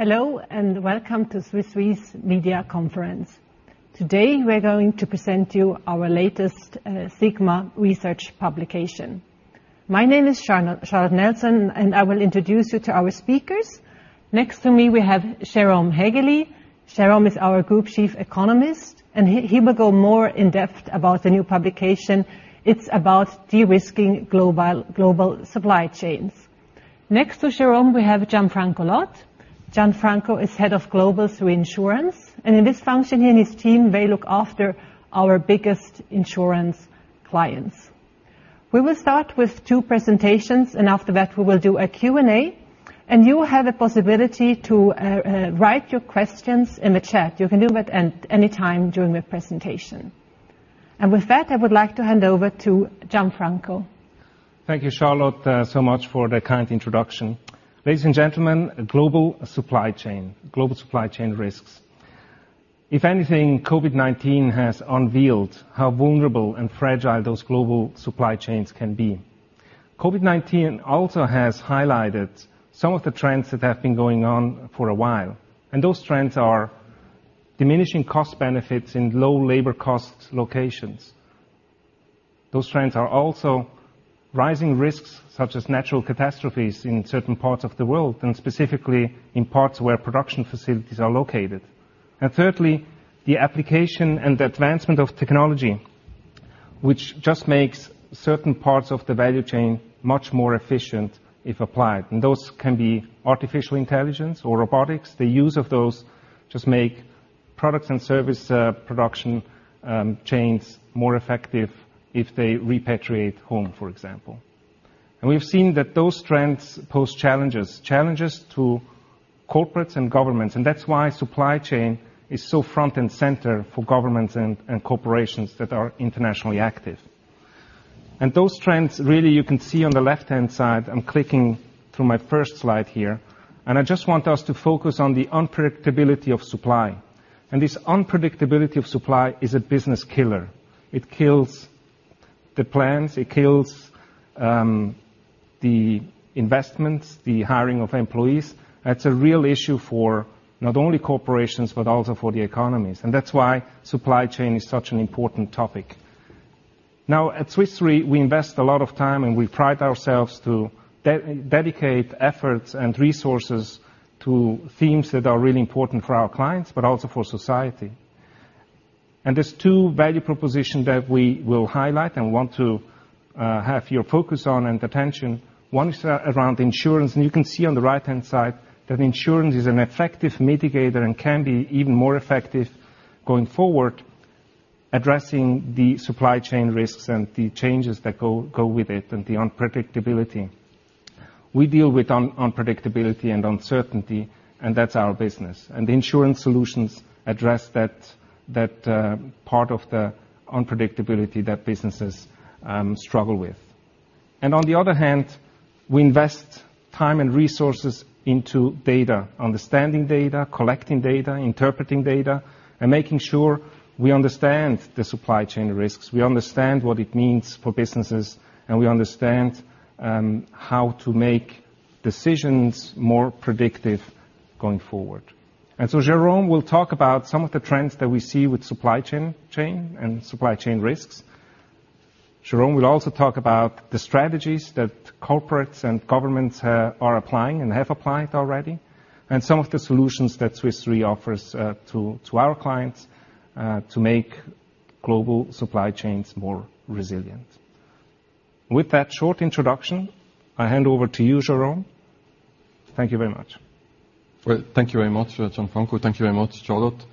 Hello, and welcome to Swiss Re's media conference. Today, we're going to present you our latest sigma research publication. My name is Charlotte Nelson, and I will introduce you to our speakers. Next to me, we have Jérôme Haegeli. Jérôme is our Group Chief Economist, and he will go more in-depth about the new publication. It's about De-risking global supply chains. Next to Jérôme, we have Gianfranco Lot. Gianfranco is Head of Global Reinsurance, and in this function, he and his team, they look after our biggest insurance clients. We will start with two presentations, and after that, we will do a Q&A, and you will have a possibility to write your questions in the chat. You can do it any time during the presentation. With that, I would like to hand over to Gianfranco. Thank you, Charlotte, so much for the kind introduction. Ladies and gentlemen, global supply chain risks. If anything, COVID-19 has unveiled how vulnerable and fragile those global supply chains can be. COVID-19 also has highlighted some of the trends that have been going on for a while, and those trends are diminishing cost benefits in low labor cost locations. Those trends are also rising risks such as natural catastrophes in certain parts of the world, and specifically in parts where production facilities are located. Thirdly, the application and the advancement of technology, which just makes certain parts of the value chain much more efficient if applied. Those can be artificial intelligence or robotics. The use of those just make products and service production chains more effective if they repatriate home, for example. We've seen that those trends pose challenges to corporates and governments. That's why supply chain is so front and center for governments and corporations that are internationally active. Those trends, really, you can see on the left-hand side. I'm clicking through my first slide here, and I just want us to focus on the unpredictability of supply. This unpredictability of supply is a business killer. It kills the plans, it kills the investments, the hiring of employees. That's a real issue for not only corporations, but also for the economies. That's why supply chain is such an important topic. Now, at Swiss Re, we invest a lot of time, and we pride ourselves to dedicate efforts and resources to themes that are really important for our clients but also for society. There's two value proposition that we will highlight and want to have your focus on and attention. One is around insurance. You can see on the right-hand side that insurance is an effective mitigator and can be even more effective going forward, addressing the supply chain risks and the changes that go with it and the unpredictability. We deal with unpredictability and uncertainty. That's our business. The insurance solutions address that part of the unpredictability that businesses struggle with. On the other hand, we invest time and resources into data, understanding data, collecting data, interpreting data, and making sure we understand the supply chain risks, we understand what it means for businesses, and we understand how to make decisions more predictive going forward. Jérôme will talk about some of the trends that we see with supply chain and supply chain risks. Jérôme will also talk about the strategies that corporates and governments are applying and have applied already, and some of the solutions that Swiss Re offers to our clients to make global supply chains more resilient. With that short introduction, I hand over to you, Jérôme. Thank you very much. Well, thank you very much, Gianfranco. Thank you very much, Charlotte.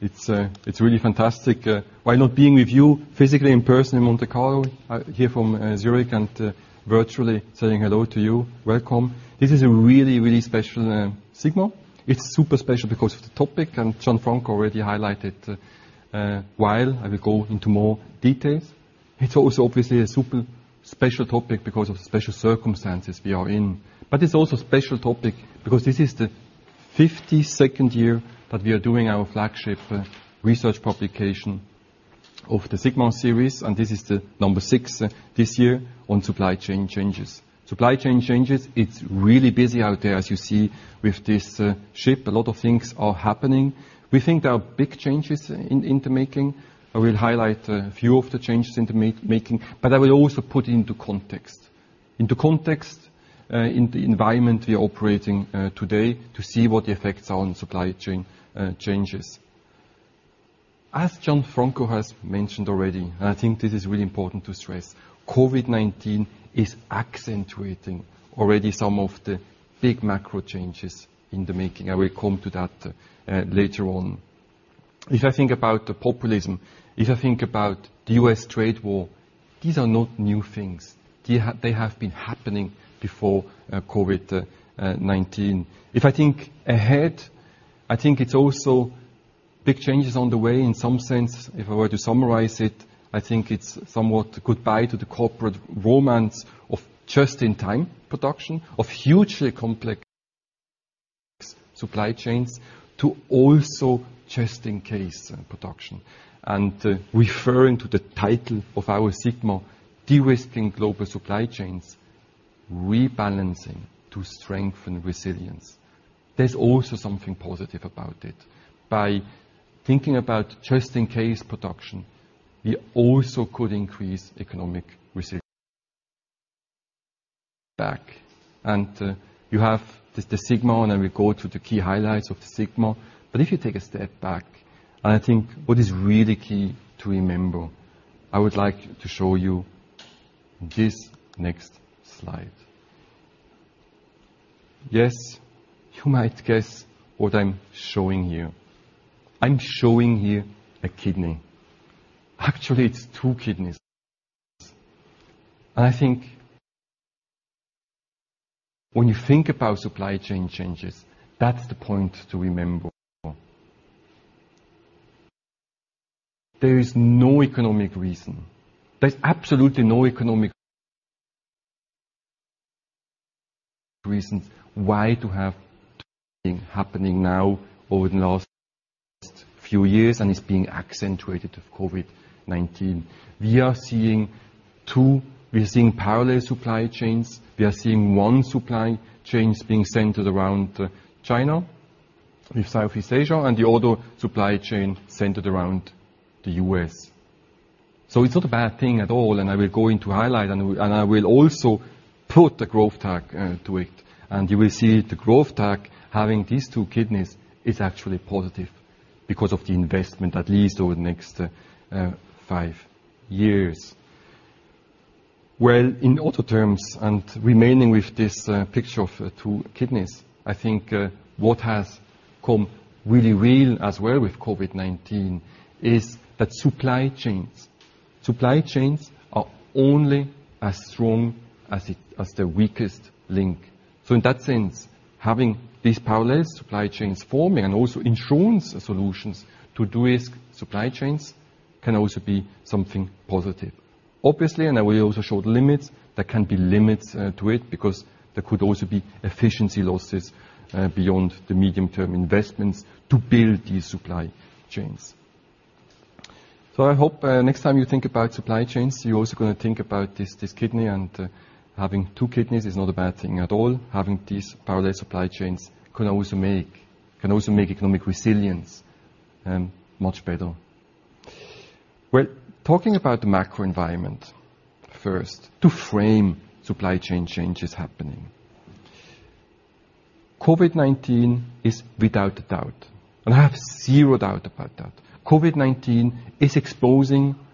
It's really fantastic. While not being with you physically in person in Monte Carlo, here from Zürich and virtually saying hello to you, welcome. This is a really, really special sigma. It's super special because of the topic, and Gianfranco already highlighted a while. I will go into more details. It's also obviously a super special topic because of the special circumstances we are in. But it's also a special topic because this is the 52nd year that we are doing our flagship research publication of the sigma series, and this is the number six this year on supply chain changes. Supply chain changes, it's really busy out there, as you see with this ship. A lot of things are happening. We think there are big changes in the making. I will highlight a few of the changes in the making, but I will also put into context, into context in the environment we are operating today to see what the effects are on supply chain changes. Gianfranco has mentioned already, and I think this is really important to stress, COVID-19 is accentuating already some of the big macro changes in the making. I will come to that later on. If I think about the populism, if I think about the U.S. trade war, these are not new things. They have been happening before COVID-19. If I think ahead, I think it's also big changes on the way in some sense. If I were to summarize it, I think it's somewhat goodbye to the corporate romance of just-in-time production, of hugely complex supply chains to also just-in-case production. Referring to the title of our sigma De-risking global supply chains: rebalancing to strengthen resilience. There's also something positive about it. By thinking about just-in-case production, we also could increase economic resilience back. You have the sigma, we go to the key highlights of the sigma. If you take a step back, and I think what is really key to remember, I would like to show you this next slide. Yes, you might guess what I'm showing you. I'm showing you a kidney. Actually, it's two kidneys. I think when you think about supply chain changes, that's the point to remember. There is no economic reason. There's absolutely no economic reasons why to have two happening now over the last few years, and it's being accentuated with COVID-19. We are seeing two. We are seeing parallel supply chains. We are seeing one supply chains being centered around China with Southeast Asia and the other supply chain centered around the U.S. It's not a bad thing at all, and I will go into highlight, and I will also put the growth tag to it. You will see the growth tag having these two kidneys is actually positive because of the investment, at least over the next five years. Well, in auto terms, and remaining with this picture of two kidneys, I think what has come really real as well with COVID-19 is that supply chains are only as strong as the weakest link. In that sense, having these parallel supply chains forming and also insurance solutions to de-risk supply chains can also be something positive. Obviously, I will also show limits. There can be limits to it because there could also be efficiency losses beyond the medium-term investments to build these supply chains. I hope next time you think about supply chains, you're also going to think about this kidney and having two kidneys is not a bad thing at all. Having these parallel supply chains can also make economic resilience much better. Well, talking about the macro environment first to frame supply chain changes happening. COVID-19 is without a doubt, and I have zero doubt about that. COVID-19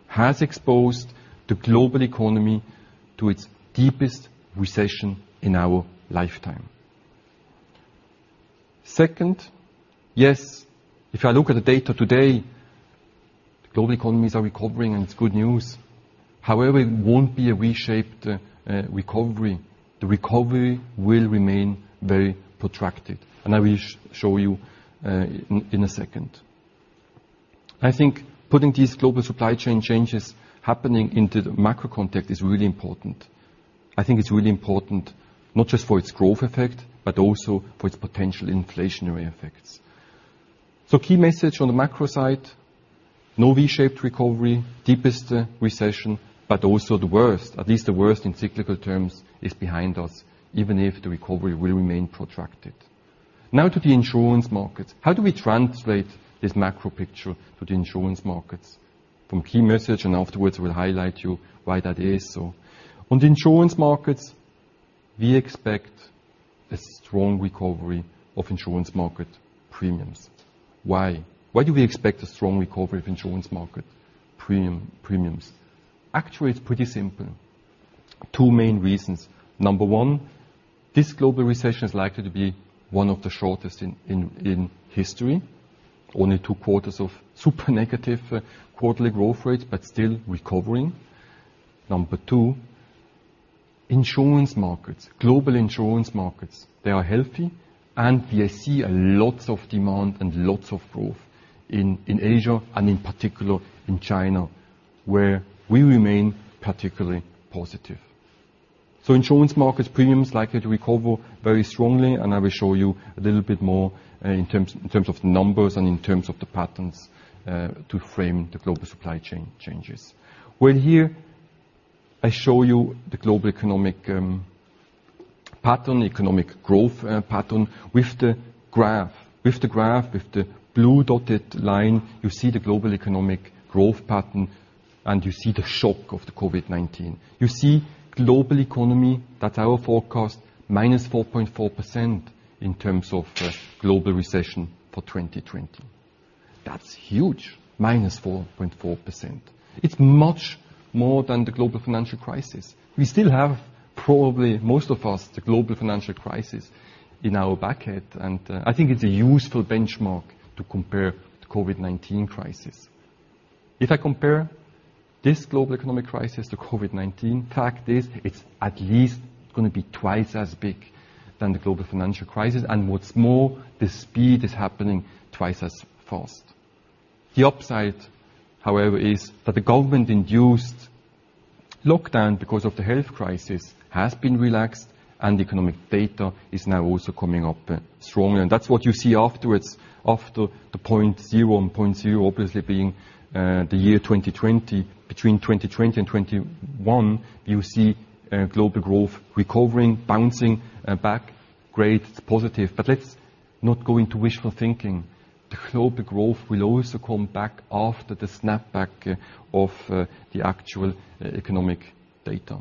has exposed the global economy to its deepest recession in our lifetime. Second, yes, if I look at the data today, global economies are recovering, and it's good news. However, it won't be a V-shaped recovery. The recovery will remain very protracted, and I will show you in a second. I think putting these global supply chain changes happening into the macro context is really important. I think it's really important not just for its growth effect, but also for its potential inflationary effects. Key message on the macro side, no V-shaped recovery, deepest recession, but also the worst, at least the worst in cyclical terms, is behind us, even if the recovery will remain protracted. To the insurance markets. How do we translate this macro picture to the insurance markets? From key message, and afterwards, we'll highlight you why that is so. On the insurance markets, we expect a strong recovery of insurance market premiums. Why? Why do we expect a strong recovery of insurance market premiums? Actually, it's pretty simple. Two main reasons. Number one, this global recession is likely to be one of the shortest in history. Only two quarters of super negative quarterly growth rates, but still recovering. Number two, insurance markets, global insurance markets, they are healthy, and we are seeing lots of demand and lots of growth in Asia and in particular in China, where we remain particularly positive. Insurance market premiums likely to recover very strongly, and I will show you a little bit more in terms of numbers and in terms of the patterns to frame the global supply chain changes. Well, here I show you the global economic pattern, economic growth pattern with the graph. With the graph, with the blue dotted line, you see the global economic growth pattern, and you see the shock of the COVID-19. You see global economy, that's our forecast, -4.4% in terms of global recession for 2020. That's huge, -4.4%. It's much more than the global financial crisis. We still have, probably most of us, the global financial crisis in our back head, and I think it's a useful benchmark to compare the COVID-19 crisis. If I compare this global economic crisis to COVID-19, fact is it's at least going to be twice as big than the global financial crisis. What's more, the speed is happening twice as fast. The upside, however, is that the government-induced lockdown because of the health crisis has been relaxed and economic data is now also coming up strongly. That's what you see afterwards, after the point zero, and point zero obviously being the year 2020. Between 2020 and 2021, you see global growth recovering, bouncing back. Great, it's positive. Let's not go into wishful thinking. The global growth will also come back after the snapback of the actual economic data.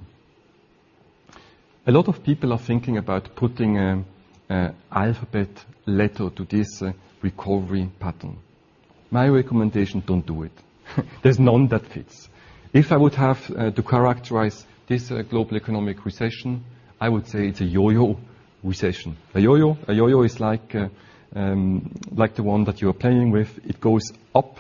A lot of people are thinking about putting an alphabet letter to this recovery pattern. My recommendation, don't do it. There's none that fits. If I would have to characterize this global economic recession, I would say it's a yo-yo recession. A yo-yo is like the one that you are playing with. It goes up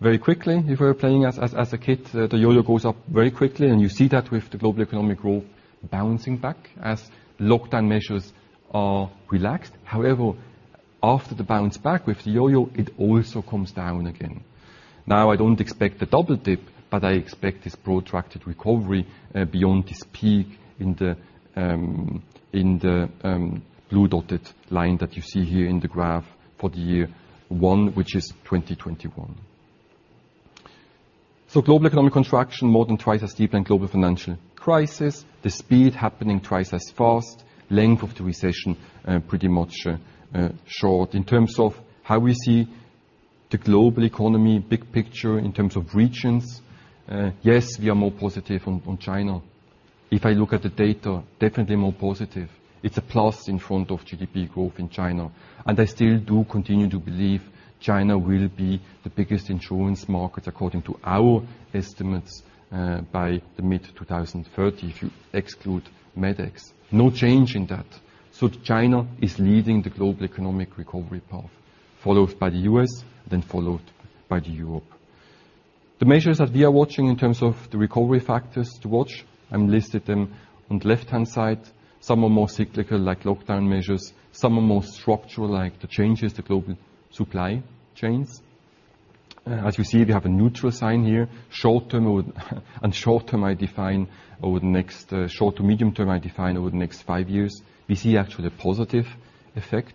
very quickly. If we were playing as a kid, the yo-yo goes up very quickly, and you see that with the global economic growth bouncing back as lockdown measures are relaxed. However, after the bounce back with the yo-yo, it also comes down again. Now, I don't expect a double dip, but I expect this protracted recovery beyond this peak in the blue dotted line that you see here in the graph for the year one, which is 2021. Global economic contraction more than twice as deep than global financial crisis. The speed happening twice as fast. Length of the recession, pretty much short. In terms of how we see the global economy, big picture in terms of regions, yes, we are more positive on China. If I look at the data, definitely more positive. It's a plus in front of GDP growth in China. I still do continue to believe China will be the biggest insurance market according to our estimates, by the mid 2030, if you exclude Medex. No change in that. China is leading the global economic recovery path, followed by the U.S., then followed by Europe. The measures that we are watching in terms of the recovery factors to watch, I've listed them on the left-hand side. Some are more cyclical, like lockdown measures. Some are more structural, like the changes to global supply chains. As you see, we have a neutral sign here. Short-term I define over the next short to medium term, I define over the next five years. We see actually a positive effect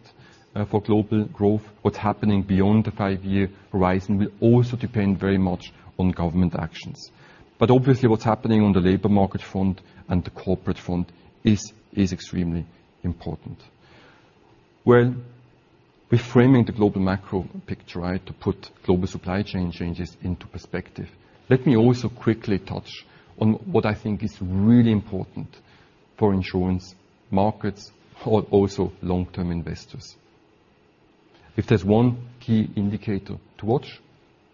for global growth. What's happening beyond the five-year horizon will also depend very much on government actions. Obviously, what's happening on the labor market front and the corporate front is extremely important. Well, reframing the global macro picture, right? To put global supply chain changes into perspective, let me also quickly touch on what I think is really important for insurance markets or also long-term investors. If there's one key indicator to watch,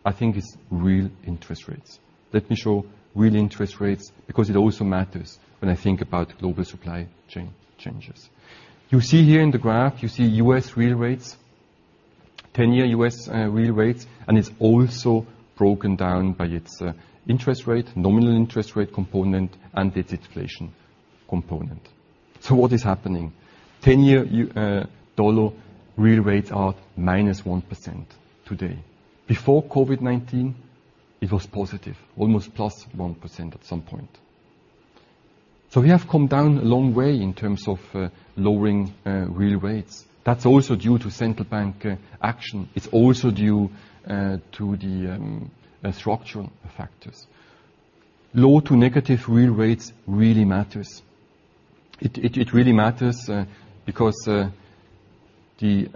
I think it's real interest rates. Let me show real interest rates, because it also matters when I think about global supply chain changes. You see here in the graph, you see U.S. real rates, 10-year U.S. real rates, and it's also broken down by its interest rate, nominal interest rate component, and its inflation component. What is happening? 10-year dollar real rates are -1% today. Before COVID-19, it was positive, almost +1% at some point. We have come down a long way in terms of lowering real rates. That's also due to central bank action. It's also due to the structural factors. Low to negative real rates really matters. It really matters because the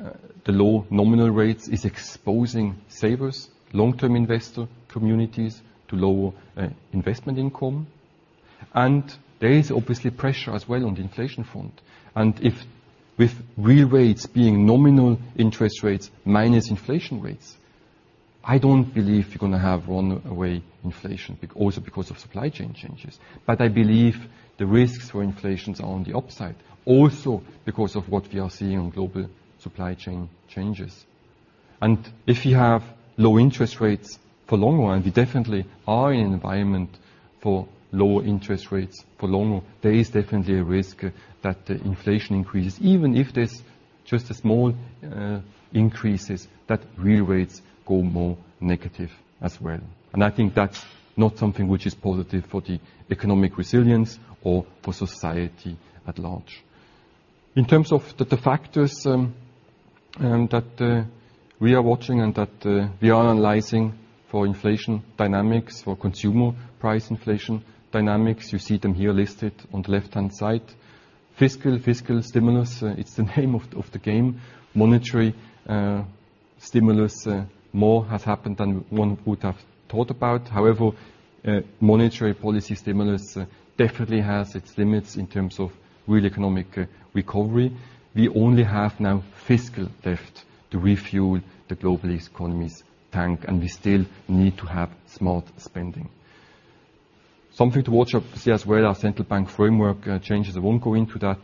low nominal rates is exposing savers, long-term investor communities, to lower investment income. There is obviously pressure as well on the inflation front. If with real rates being nominal interest rates minus inflation rates, I don't believe you're going to have runaway inflation, also because of supply chain changes. I believe the risks for inflation is on the upside, also because of what we are seeing on global supply chain changes. If you have low interest rates for longer, and we definitely are in an environment for lower interest rates for longer, there is definitely a risk that the inflation increases. Even if there's just small increases, that real rates go more negative as well. I think that's not something which is positive for the economic resilience or for society at large. In terms of the factors that we are watching and that we are analyzing for inflation dynamics, for consumer price inflation dynamics, you see them here listed on the left-hand side. Fiscal stimulus, it's the name of the game. Monetary stimulus, more has happened than one would have thought about. However, monetary policy stimulus definitely has its limits in terms of real economic recovery. We only have now fiscal left to refuel the global economy's tank, and we still need to have smart spending. Something to watch up to see as well are central bank framework changes. I won't go into that,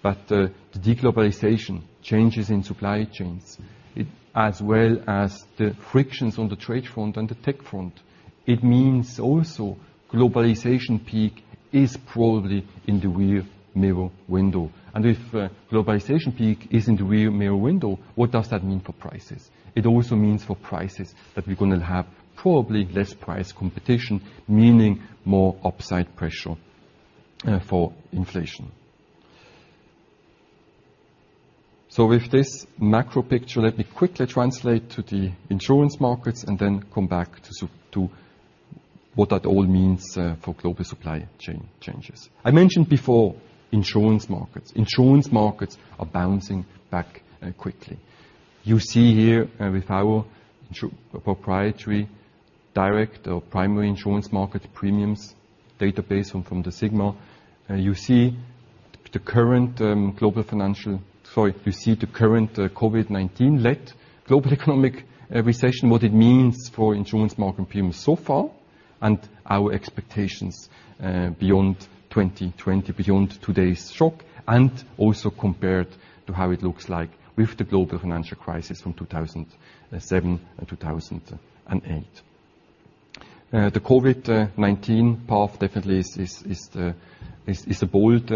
but the de-globalization changes in supply chains, as well as the frictions on the trade front and the tech front. It means also globalization peak is probably in the rear mirror window. If globalization peak is in the rear mirror window, what does that mean for prices? It also means for prices that we're going to have probably less price competition, meaning more upside pressure for inflation. With this macro picture, let me quickly translate to the insurance markets and then come back to what that all means for global supply chain changes. I mentioned before insurance markets. Insurance markets are bouncing back quickly. You see here with our proprietary direct or primary insurance market premiums database from the sigma. You see the current COVID-19-led global economic recession, what it means for insurance market premiums so far, and our expectations beyond 2020, beyond today's shock, and also compared to how it looks like with the global financial crisis from 2007 and 2008. The COVID-19 path definitely is the bold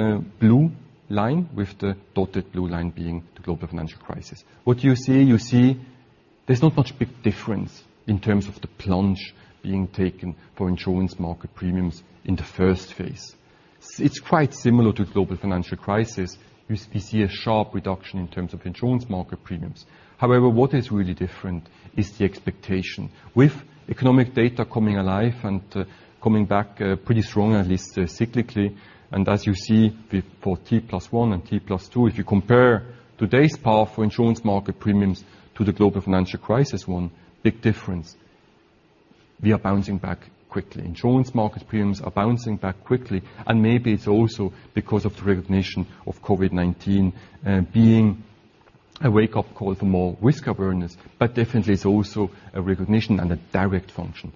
blue line, with the dotted blue line being the global financial crisis. What you see, there's not much big difference in terms of the plunge being taken for insurance market premiums in the first phase. It's quite similar to global financial crisis. We see a sharp reduction in terms of insurance market premiums. However, what is really different is the expectation. With economic data coming alive and coming back pretty strong, at least cyclically. As you see for T+1 and T+2, if you compare today's path for insurance market premiums to the global financial crisis, one big difference. We are bouncing back quickly. Insurance market premiums are bouncing back quickly. Maybe it's also because of the recognition of COVID-19 being a wake-up call for more risk awareness. Definitely it's also a recognition and a direct function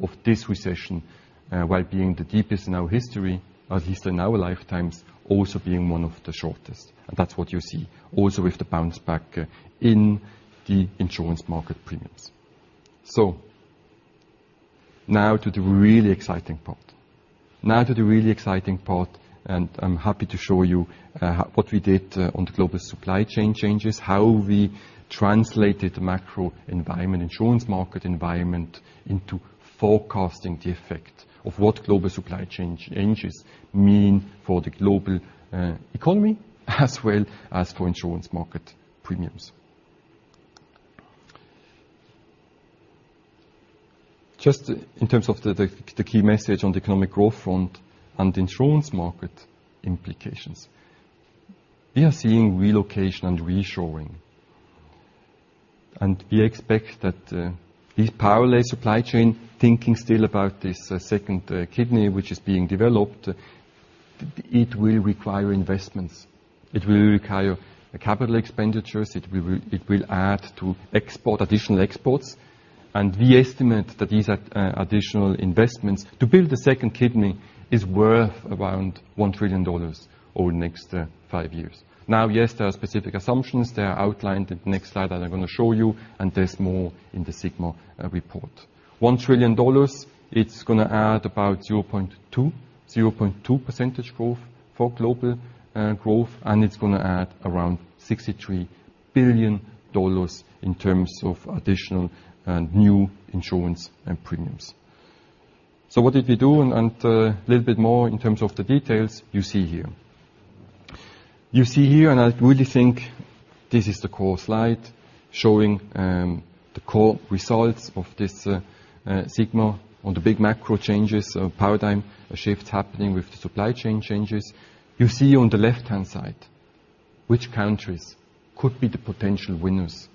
of this recession, while being the deepest in our history, at least in our lifetimes, also being one of the shortest. That's what you see also with the bounce back in the insurance market premiums. Now to the really exciting part. Now to the really exciting part. I'm happy to show you what we did on the global supply chain changes, how we translated the macro environment, insurance market environment, into forecasting the effect of what global supply chain changes mean for the global economy as well as for insurance market premiums. Just in terms of the key message on the economic growth front and insurance market implications. We are seeing relocation and reshoring. We expect that these parallel supply chain thinking still about this second kidney, which is being developed, it will require investments. It will require capital expenditures. It will add to additional exports. We estimate that these additional investments to build a second kidney is worth around $1 trillion over the next five years. Yes, there are specific assumptions. They are outlined in the next slide that I'm going to show you, and there's more in the sigma report. $1 trillion, it's going to add about 0.2% growth for global growth, and it's going to add around $63 billion in terms of additional new insurance premiums. What did we do? A little bit more in terms of the details you see here. You see here, and I really think this is the core slide, showing the core results of this sigma on the big macro changes, paradigm shifts happening with the supply chain changes. You see on the left-hand side which countries could be the potential winners.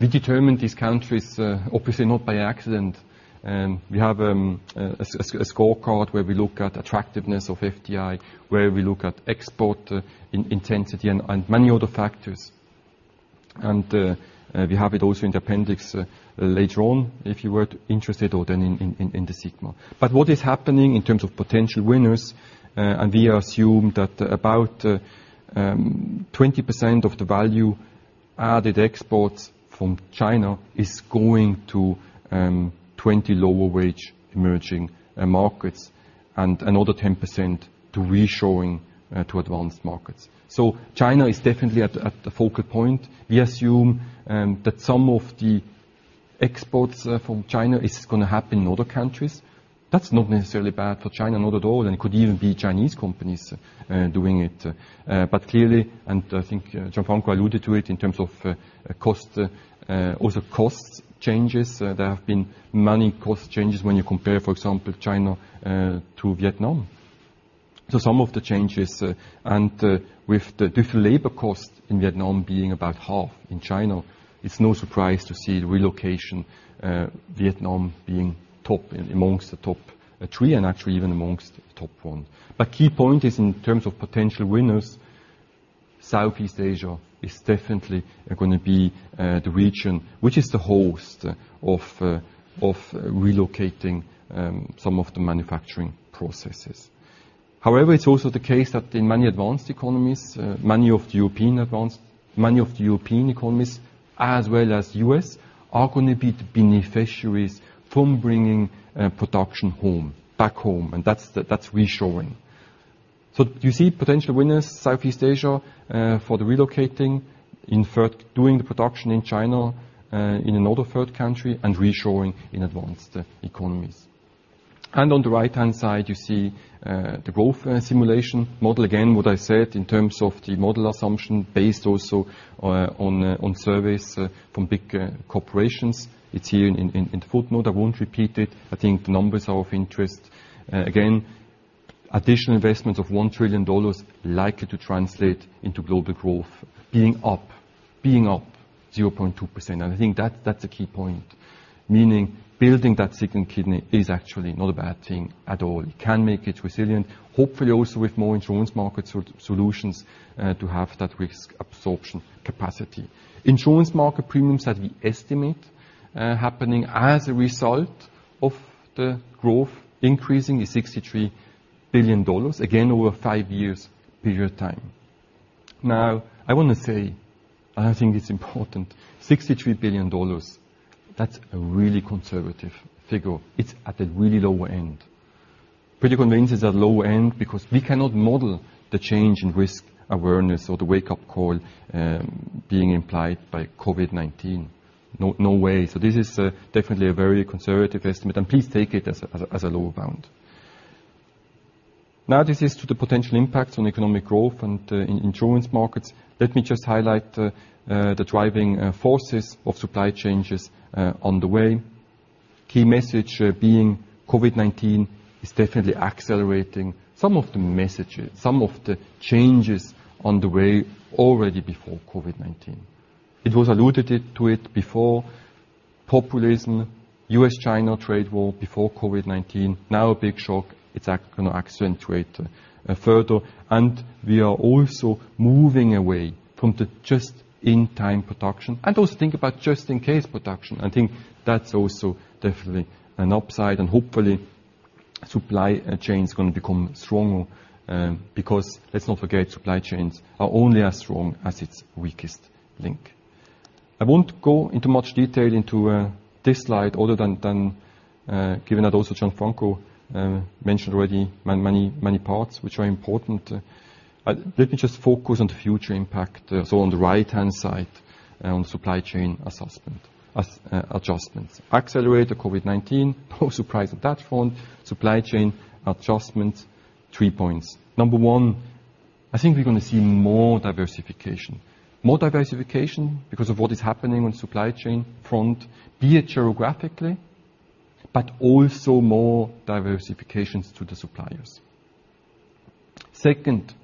We determine these countries, obviously not by accident. We have a scorecard where we look at attractiveness of FDI, where we look at export intensity and many other factors. We have it also in the appendix later on if you were interested, or then in the sigma. What is happening in terms of potential winners, and we assume that about 20% of the value added exports from China is going to 20 lower wage emerging markets and another 10% to reshoring to advanced markets. China is definitely at the focal point. We assume that some of the exports from China is going to happen in other countries. That's not necessarily bad for China. Not at all, and it could even be Chinese companies doing it. Clearly, and I think Gianfranco alluded to it in terms of also cost changes. There have been many cost changes when you compare, for example, China to Vietnam. Some of the changes, and with the different labor cost in Vietnam being about half in China, it's no surprise to see the relocation, Vietnam being top amongst the top three and actually even amongst the top one. Key point is in terms of potential winners, Southeast Asia is definitely going to be the region which is the host of relocating some of the manufacturing processes. However, it's also the case that in many advanced economies, many of the European economies as well as U.S., are going to be the beneficiaries from bringing production home, back home. That's reshoring. You see potential winners, Southeast Asia, for the relocating, doing the production in China, in another third country, and reshoring in advanced economies. On the right-hand side, you see the growth simulation model. What I said in terms of the model assumption based also on surveys from big corporations. It's here in the footnote, I won't repeat it. I think the numbers are of interest. Additional investment of $1 trillion likely to translate into global growth being up 0.2%. I think that's a key point, meaning building that second kidney is actually not a bad thing at all. You can make it resilient, hopefully also with more insurance market solutions to have that risk absorption capacity. Insurance market premiums that we estimate happening as a result of the growth increasing is $63 billion, again, over five years period time. I want to say, and I think it's important, $63 billion, that's a really conservative figure. It's at the really low end. Pretty convinced it's at low end because we cannot model the change in risk awareness or the wake-up call being implied by COVID-19. No way. This is definitely a very conservative estimate, and please take it as a lower bound. This is to the potential impact on economic growth and insurance markets. Let me just highlight the driving forces of supply changes on the way. Key message being COVID-19 is definitely accelerating some of the messages, some of the changes on the way already before COVID-19. It was alluded to it before populism, U.S. China trade war, before COVID-19. A big shock, it's going to accentuate further. We are also moving away from the just-in-time production and also think about just-in-case production. I think that's also definitely an upside, and hopefully supply chain is going to become stronger. Because let's not forget, supply chains are only as strong as its weakest link. I won't go into much detail into this slide other than given that also Gianfranco mentioned already many parts which are important. Let me just focus on the future impact. On the right-hand side on supply chain assessment, adjustments. Accelerator COVID-19, no surprise on that front. Supply chain adjustments, three points. Number one, I think we're going to see more diversification. More diversification because of what is happening on supply chain front, be it geographically, but also more diversifications to the suppliers. Second,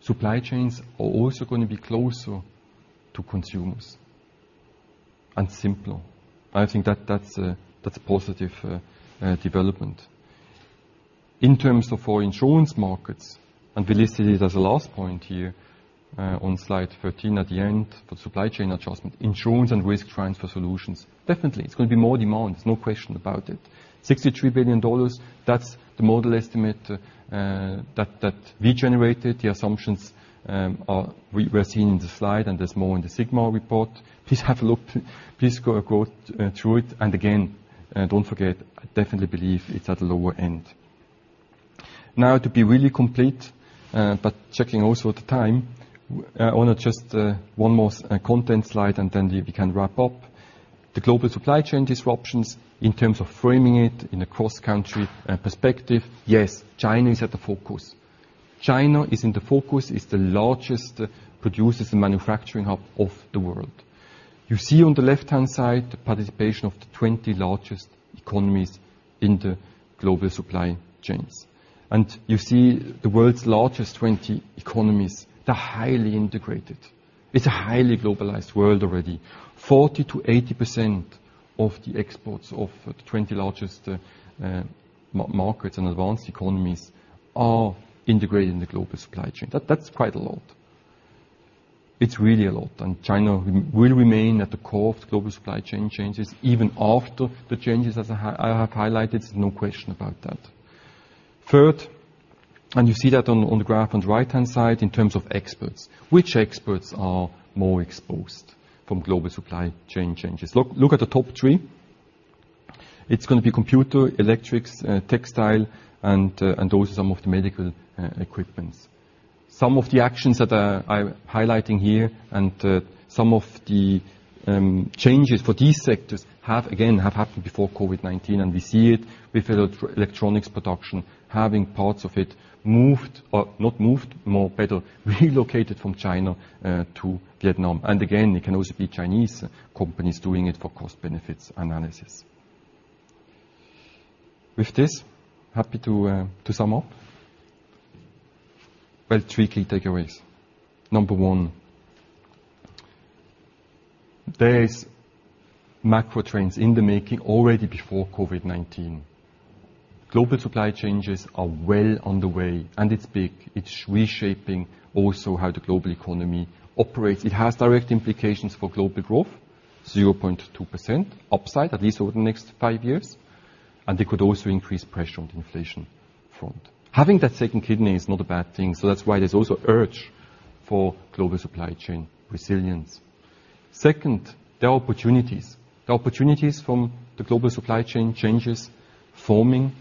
supply chains are also going to be closer to consumers and simpler. I think that's a positive development. In terms of our insurance markets, and we listed it as a last point here, on slide 13 at the end for supply chain adjustment, insurance and risk transfer solutions. Definitely, it's going to be more demand, there's no question about it. $63 billion, that's the model estimate that we generated. The assumptions are We are seeing in the slide, and there's more in the sigma report. Please have a look. Please go through it. Again, don't forget, I definitely believe it's at the lower end. Now, to be really complete, checking also the time, I want to just one more content slide, and then we can wrap up. The global supply chain disruptions in terms of framing it in a cross-country perspective. Yes, China is at the focus. China is in the focus, is the largest producer, is the manufacturing hub of the world. You see on the left-hand side the participation of the 20 largest economies in the global supply chains. You see the world's largest 20 economies, they're highly integrated. It's a highly globalized world already. 40% to 80% of the exports of the 20 largest markets and advanced economies are integrated in the global supply chain. That's quite a lot. It's really a lot. China will remain at the core of the global supply chain changes even after the changes as I have highlighted. There's no question about that. Third, you see that on the graph on the right-hand side in terms of exports. Which exports are more exposed from global supply chain changes? Look at the top three. It's going to be computer, electrics, textile, and also some of the medical equipments. Some of the actions that I'm highlighting here and some of the changes for these sectors have, again, happened before COVID-19, and we see it with electronics production having parts of it moved, or not moved, more better relocated from China to Vietnam. Again, it can also be Chinese companies doing it for cost-benefits analysis. With this, happy to sum up. Well, three key takeaways. Number one, there is macro trends in the making already before COVID-19. Global supply chains are well on the way, and it's big. It's reshaping also how the global economy operates. It has direct implications for global growth, 0.2% upside at least over the next five years, and it could also increase pressure on the inflation front. Having that second kidney is not a bad thing, so that's why there's also urge for global supply chain resilience. Second, there are opportunities from the global supply chain changes forming.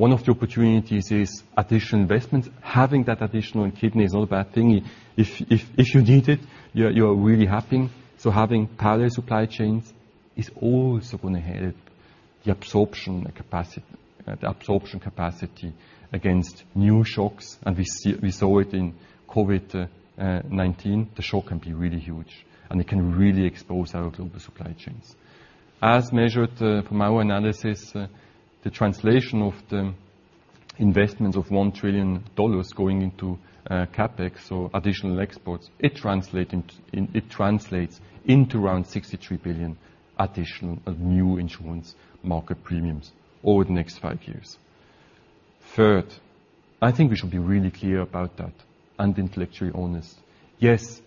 One of the opportunities is additional investments. Having that additional kidney is not a bad thing. If you need it, you are really happy. Having parallel supply chains is also going to help the absorption capacity against new shocks. We saw it in COVID-19. The shock can be really huge, and it can really expose our global supply chains. As measured from our analysis, the translation of the investments of $1 trillion going into CapEx or additional exports, it translates into around $63 billion additional new insurance market premiums over the next five years. Third, I think we should be really clear about that and intellectually honest. Yes,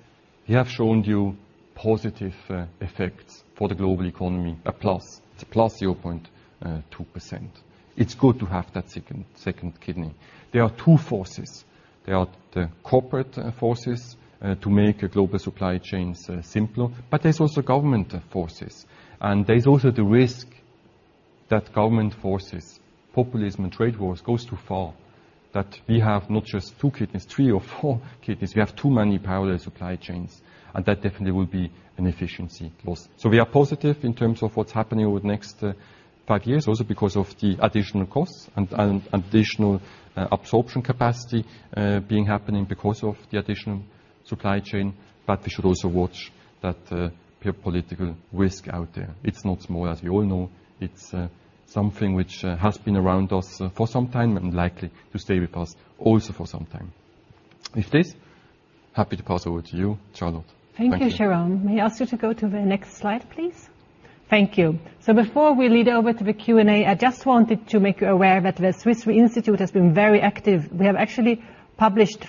we have shown you positive effects for the global economy, a plus. It's a plus 0.2%. It's good to have that second kidney. There are two forces. There are the corporate forces to make global supply chains simpler, but there's also government forces. There's also the risk that government forces, populism, and trade wars go too far, that we have not just two kidneys, three or four kidneys. We have too many parallel supply chains, and that definitely will be an efficiency loss. We are positive in terms of what's happening over the next five years, also because of the additional costs and additional absorption capacity happening because of the additional supply chain. We should also watch that geopolitical risk out there. It's not small, as we all know. It's something which has been around us for some time and likely to stay with us also for some time. With this, happy to pass over to you, Charlotte. Thank you. Thank you, Jérôme. May I ask you to go to the next slide, please? Thank you. Before we lead over to the Q&A, I just wanted to make you aware that the Swiss Re Institute has been very active. We have actually published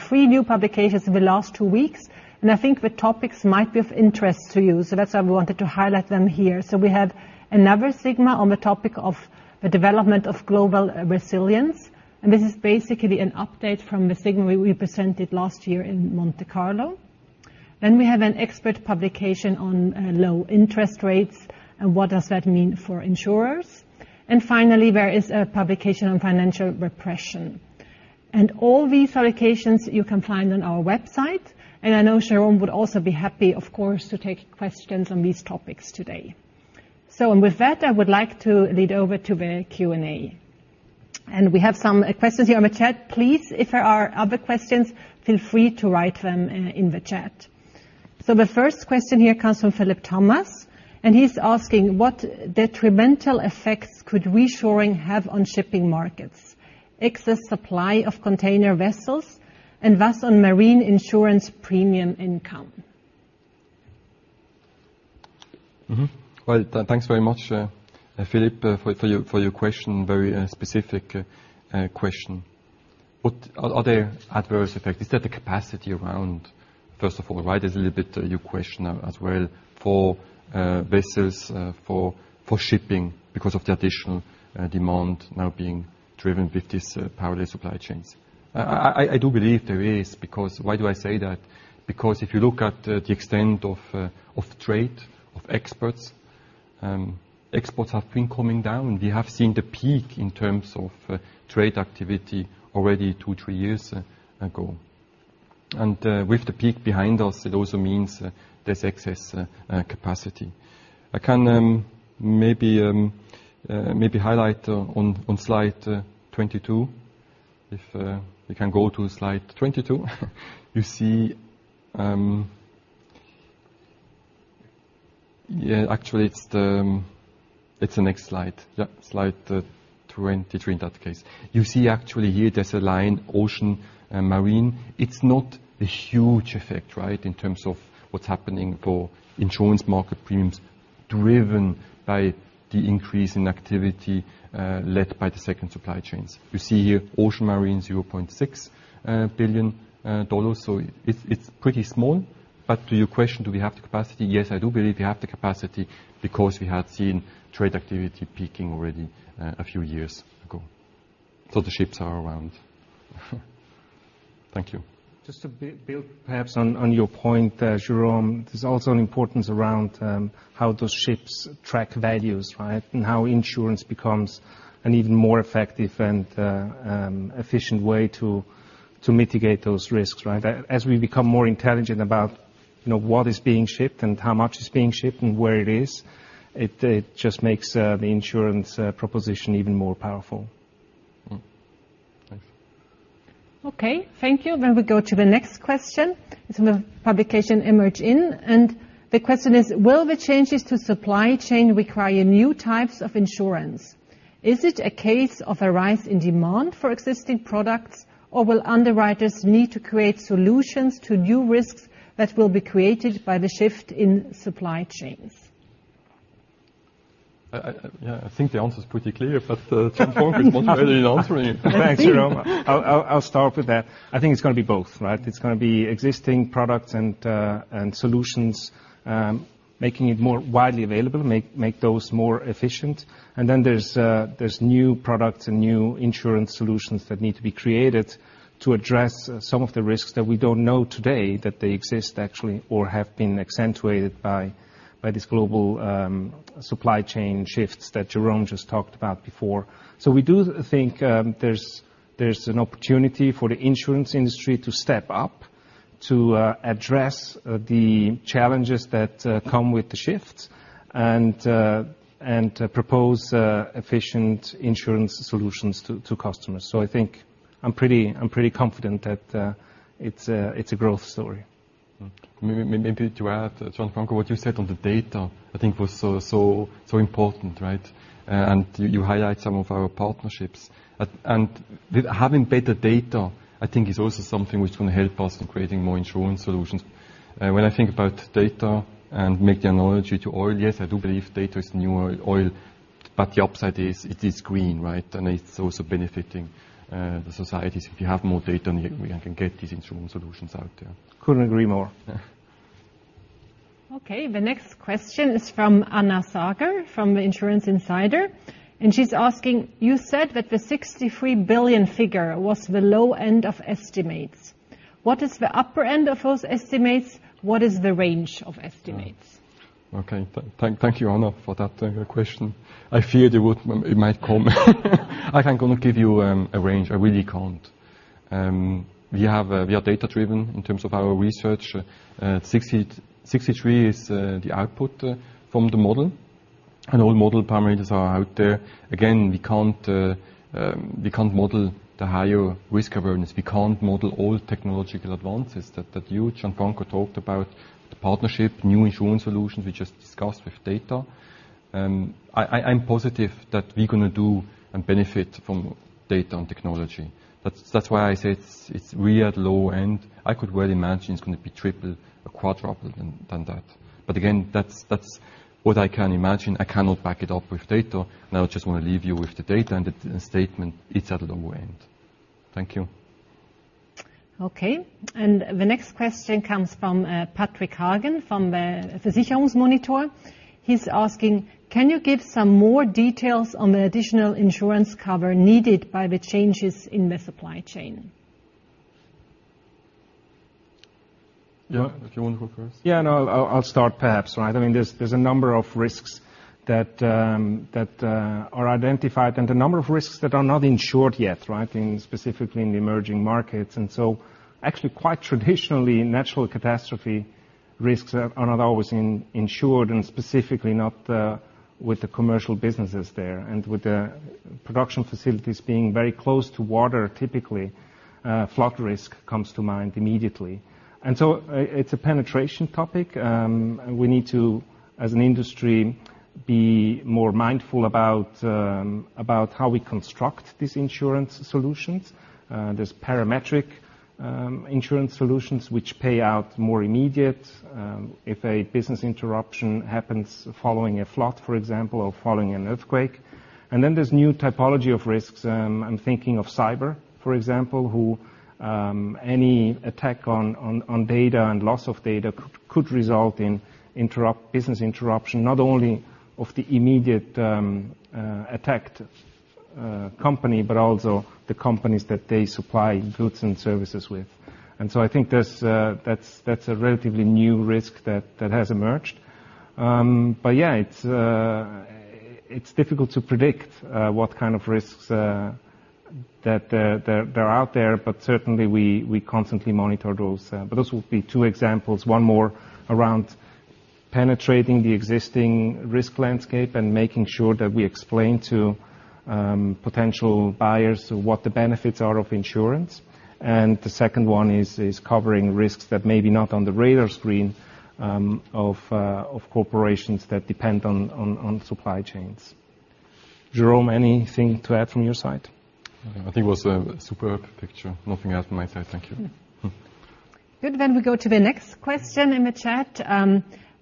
three new publications in the last two weeks, and I think the topics might be of interest to you. That's why we wanted to highlight them here. We have another sigma on the topic of the development of global resilience, and this is basically an update from the sigma we presented last year in Monte Carlo. We have an expert publication on low interest rates and what does that mean for insurers. Finally, there is a publication on financial repression. All these publications you can find on our website, I know Jérôme would also be happy, of course, to take questions on these topics today. With that, I would like to lead over to the Q&A. We have some questions here on the chat. Please, if there are other questions, feel free to write them in the chat. The first question here comes from Philip Thomas, and he's asking, "What detrimental effects could reshoring have on shipping markets? Excess supply of container vessels and thus on marine insurance premium income. Well, thanks very much, Philip, for your question. Very specific question. What are the adverse effects? Is there the capacity around, first of all, right, is a little bit your question as well for vessels, for shipping because of the additional demand now being driven with these parallel supply chains. I do believe there is. Why do I say that? If you look at the extent of trade, of exports have been coming down. We have seen the peak in terms of trade activity already two, three years ago. With the peak behind us, it also means there's excess capacity. I can maybe highlight on slide 22. If we can go to slide 22. Actually it's the next slide. Slide 23 in that case. You see actually here there's a line, ocean and marine. It's not a huge effect, right, in terms of what's happening for insurance market premiums driven by the increase in activity led by the second supply chains. You see here ocean marine, $0.6 billion. It's pretty small. To your question, do we have the capacity? Yes, I do believe we have the capacity because we had seen trade activity peaking already a few years ago. The ships are around. Thank you. Just to build perhaps on your point, Jérôme, there's also an importance around how those ships track values, right? How insurance becomes an even more effective and efficient way to mitigate those risks, right? As we become more intelligent about what is being shipped and how much is being shipped and where it is, it just makes the insurance proposition even more powerful. Thanks. Okay, thank you. We go to the next question. It's from the publication "Emerging," the question is: Will the changes to supply chain require new types of insurance? Is it a case of a rise in demand for existing products, or will underwriters need to create solutions to new risks that will be created by the shift in supply chains? I think the answer is pretty clear. Gianfranco is more than ready to answer it. Thanks, Jérôme. I'll start with that. I think it's going to be both, right? It's going to be existing products and solutions, making it more widely available, make those more efficient. There's new products and new insurance solutions that need to be created to address some of the risks that we don't know today that they exist actually or have been accentuated by these global supply chain shifts that Jérôme just talked about before. We do think there's an opportunity for the insurance industry to step up to address the challenges that come with the shift and propose efficient insurance solutions to customers. I think I'm pretty confident that it's a growth story. Maybe to add, Gianfranco, what you said on the data, I think was so important, right? You highlight some of our partnerships. With having better data, I think is also something which going to help us in creating more insurance solutions. When I think about data and make the analogy to oil, yes, I do believe data is the new oil, but the upside is it is green, right? It's also benefiting the societies. If you have more data, we can get these insurance solutions out there. Couldn't agree more. Yeah. Okay. The next question is from Anna Sagar from Insurance Insider, and she's asking: "You said that the $63 billion figure was the low end of estimates. What is the upper end of those estimates? What is the range of estimates? Okay. Thank you, Anna, for that question. I feared it might come. I can't give you a range. I really can't. We are data-driven in terms of our research. 63 is the output from the model, and all model parameters are out there. Again, we can't model the higher risk awareness. We can't model all technological advances that you, Gianfranco, talked about, the partnership, new insurance solutions we just discussed with data. I'm positive that we're going to do and benefit from data and technology. That's why I said it's really at low end. I could well imagine it's going to be triple or quadruple than that. Again, that's what I can imagine. I cannot back it up with data. I just want to leave you with the data and the statement, it's at the low end. Thank you. Okay. The next question comes from Patrick Hagen from the Versicherungsmonitor. He's asking, "Can you give some more details on the additional insurance cover needed by the changes in the supply chain? Yeah. If you want to go first. Yeah, no. I'll start perhaps. Right. There's a number of risks that are identified and a number of risks that are not insured yet, right? In specifically in the emerging markets. Actually, quite traditionally, natural catastrophe risks are not always insured, and specifically not with the commercial businesses there. With the production facilities being very close to water, typically, flood risk comes to mind immediately. It's a penetration topic. We need to, as an industry, be more mindful about how we construct these insurance solutions. There's parametric insurance solutions which pay out more immediate, if a business interruption happens following a flood, for example, or following an earthquake. Then there's new typology of risks. I'm thinking of cyber, for example, who, any attack on data and loss of data could result in business interruption, not only of the immediate attacked company, but also the companies that they supply goods and services with. I think that's a relatively new risk that has emerged. Yeah, it's difficult to predict what kind of risks that are out there. Certainly, we constantly monitor those. Those would be two examples. One more around penetrating the existing risk landscape and making sure that we explain to potential buyers what the benefits are of insurance. The second one is covering risks that may be not on the radar screen of corporations that depend on supply chains. Jérôme, anything to add from your side? I think it was a superb picture. Nothing to add from my side. Thank you. Good. We go to the next question in the chat.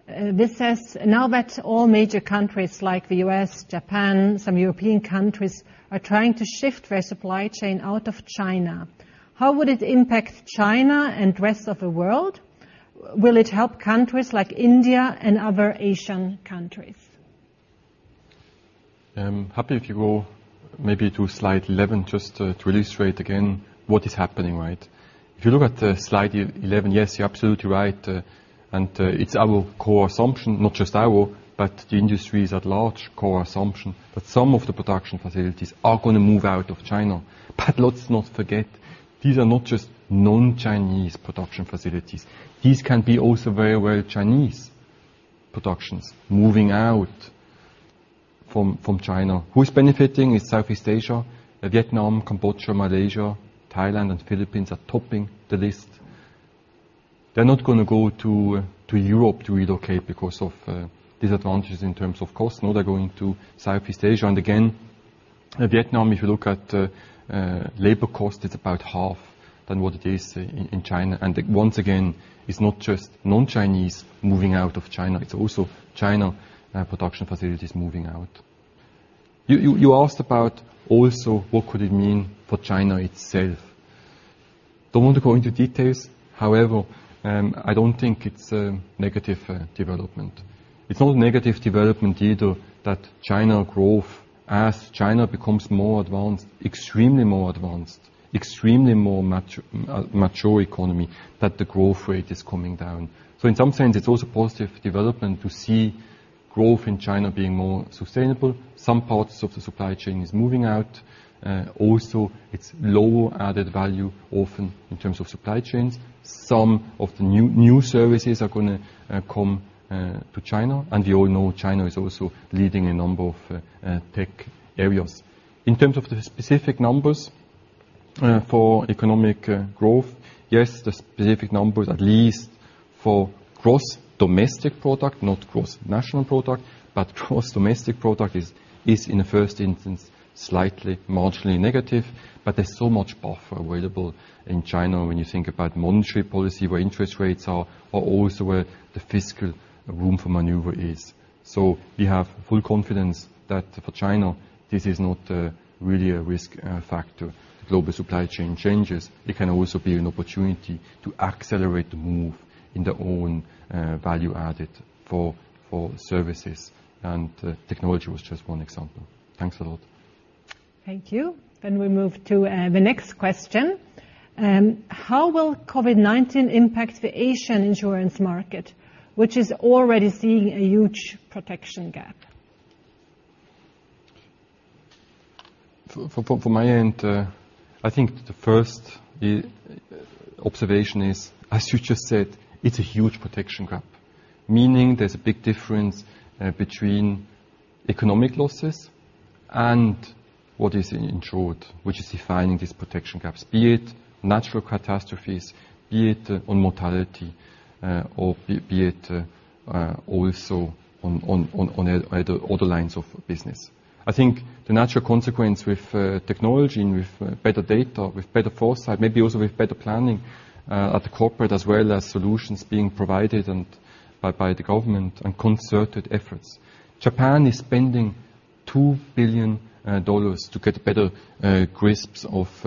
This says, "Now that all major countries like the U.S., Japan, some European countries are trying to shift their supply chain out of China, how would it impact China and rest of the world? Will it help countries like India and other Asian countries? I'm happy if you go maybe to slide 11, just to illustrate again what is happening, right? If you look at the slide 11, yes, you're absolutely right. It's our core assumption, not just our, but the industry's at large core assumption, that some of the production facilities are going to move out of China. Let's not forget, these are not just non-Chinese production facilities. These can be also very well Chinese productions moving out from China. Who's benefiting is Southeast Asia, Vietnam, Cambodia, Malaysia, Thailand, and Philippines are topping the list. They're not going to go to Europe to relocate because of disadvantages in terms of cost. No, they're going to Southeast Asia. Again, Vietnam, if you look at labor cost, it's about half than what it is in China. Once again, it's not just non-Chinese moving out of China, it's also China production facilities moving out. You asked about also what could it mean for China itself. Don't want to go into details. However, I don't think it's a negative development. It's not negative development either that China growth as China becomes more advanced, extremely more advanced, extremely more mature economy, that the growth rate is coming down. In some sense, it's also a positive development to see growth in China being more sustainable. Some parts of the supply chain is moving out. Also, it's low added value, often in terms of supply chains. Some of the new services are going to come to China, and we all know China is also leading a number of tech areas. In terms of the specific numbers for economic growth. Yes, the specific numbers, at least for gross domestic product, not gross national product, but gross domestic product is in the 1st instance, slightly marginally negative. There's so much offer available in China when you think about monetary policy, where interest rates are also where the fiscal room for maneuver is. We have full confidence that for China, this is not really a risk factor. Global supply chain changes, it can also be an opportunity to accelerate the move in their own value added for services, and technology was just one example. Thanks a lot. Thank you. We move to the next question. How will COVID-19 impact the Asian insurance market, which is already seeing a huge protection gap? From my end, I think the first observation is, as you just said, it's a huge protection gap. Meaning there's a big difference between economic losses and what is insured, which is defining these protection gaps, be it natural catastrophes, be it on mortality, or be it also on other lines of business. I think the natural consequence with technology and with better data, with better foresight, maybe also with better planning at the corporate as well as solutions being provided and by the government and concerted efforts. Japan is spending $2 billion to get better grasps of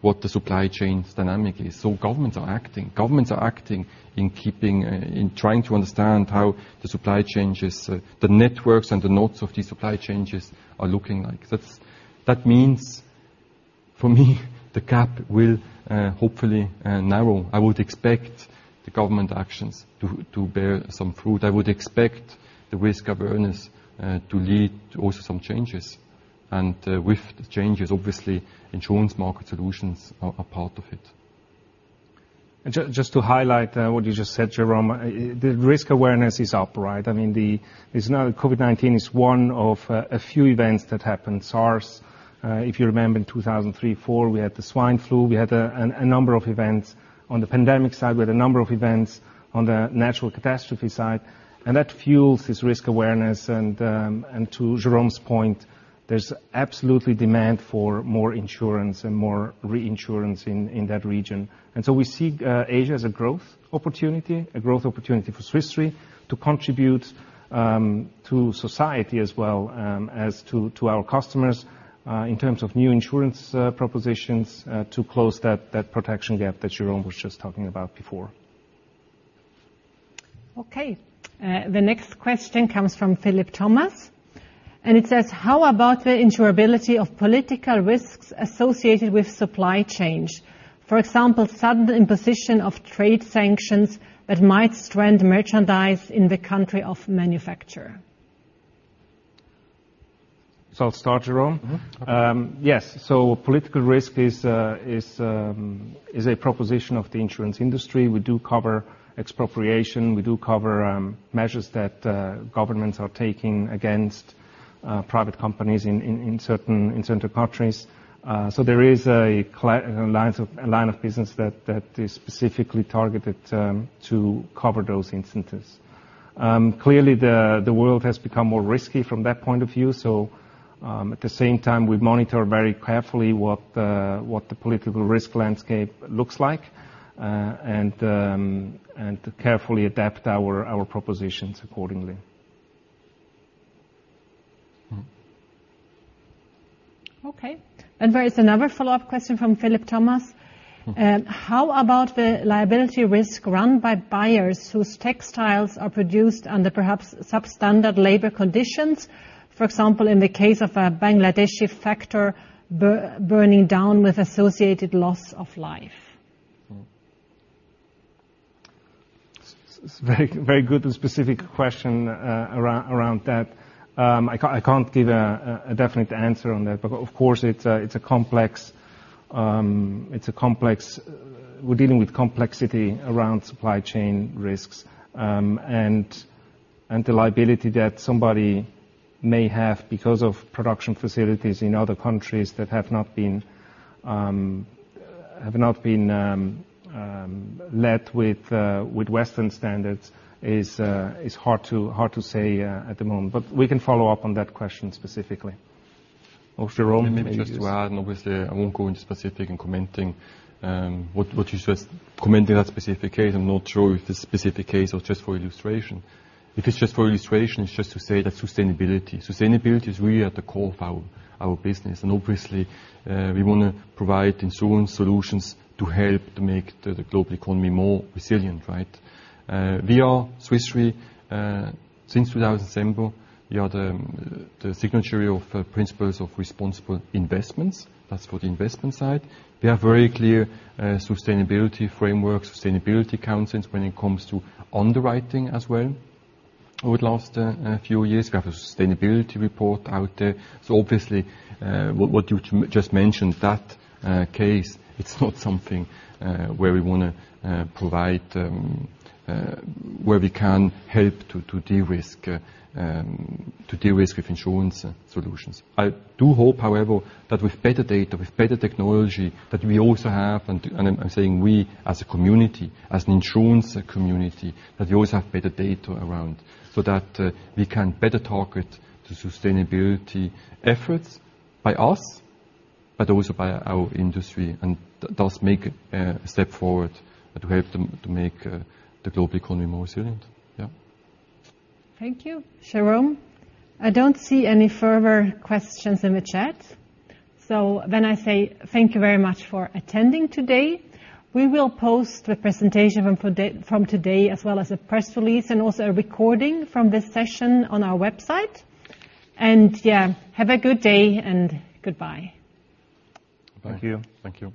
what the supply chain's dynamic is. Governments are acting. Governments are acting in trying to understand how the supply chains, the networks and the nodes of these supply chains are looking like. That means, for me, the gap will hopefully narrow. I would expect the government actions to bear some fruit. I would expect the risk awareness to lead to also some changes. With the changes, obviously, insurance market solutions are part of it. Just to highlight what you just said, Jérôme, the risk awareness is up, right? COVID-19 is one of a few events that happened. SARS, if you remember, in 2003, 2004, we had the swine flu. We had a number of events on the pandemic side. We had a number of events on the natural catastrophe side, and that fuels this risk awareness. To Jérôme's point, there's absolutely demand for more insurance and more reinsurance in that region. We see Asia as a growth opportunity, a growth opportunity for Swiss Re to contribute to society as well as to our customers in terms of new insurance propositions to close that protection gap that Jérôme was just talking about before. Okay. The next question comes from Philip Thomas, and it says: "How about the insurability of political risks associated with supply chains? For example, sudden imposition of trade sanctions that might strand merchandise in the country of manufacture. I'll start, Jérôme. Okay. Yes. Political risk is a proposition of the insurance industry. We do cover expropriation. We do cover measures that governments are taking against private companies in certain countries. There is a line of business that is specifically targeted to cover those instances. Clearly, the world has become more risky from that point of view. At the same time, we monitor very carefully what the political risk landscape looks like and to carefully adapt our propositions accordingly. Okay. There is another follow-up question from Philip Thomas. How about the liability risk run by buyers whose textiles are produced under perhaps substandard labor conditions? For example, in the case of a Bangladeshi factory burning down with associated loss of life. It's a very good and specific question around that. I can't give a definite answer on that, but of course, we're dealing with complexity around supply chain risks. The liability that somebody may have because of production facilities in other countries that have not been led with Western standards is hard to say at the moment. We can follow up on that question specifically. Jérôme, maybe? Maybe just to add, obviously, I won't go into specific in commenting what you just commented that specific case. I'm not sure if this specific case or just for illustration. If it's just for illustration, it's just to say that sustainability is really at the core of our business. Obviously, we want to provide insurance solutions to help to make the global economy more resilient, right? We are, Swiss Re, since 2007, we are the signatory of Principles for Responsible Investment. That's for the investment side. We have very clear sustainability framework, sustainability counts when it comes to underwriting as well. Over the last few years, we have a sustainability report out there. Obviously, what you just mentioned, that case, it's not something where we can help to de-risk with insurance solutions. I do hope, however, that with better data, with better technology, that we also have, and I am saying we as a community, as an insurance community, that we always have better data around so that we can better target the sustainability efforts by us, but also by our industry, and thus make a step forward to help to make the global economy more resilient. Yeah. Thank you, Jérôme. I don't see any further questions in the chat. I say thank you very much for attending today. We will post the presentation from today as well as a press release and also a recording from this session on our website. Yeah, have a good day and goodbye. Thank you. Thank you.